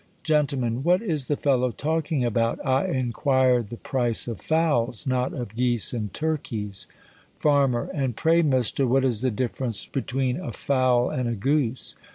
Gent, What is the fellow talking about ? I inquired the price of fowls ; not of geese and turkeys. Farm, And pray, Mister, what is the difference between a fowl and a goose